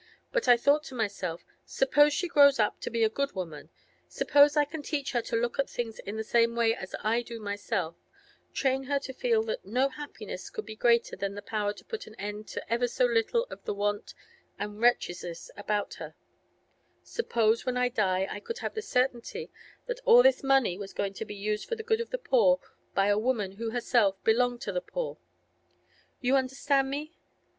But I thought to myself: Suppose she grows up to be a good woman—suppose I can teach her to look at things in the same way as I do myself, train her to feel that no happiness could be greater than the power to put an end to ever so little of the want and wretchedness about her—suppose when I die I could have the certainty that all this money was going to be used for the good of the poor by a woman who herself belonged to the poor? You understand me?